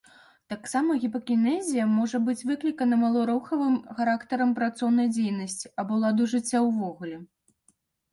Таксама гіпакінезія можа быць выклікана маларухавым характарам працоўнай дзейнасці або ладу жыцця ўвогуле.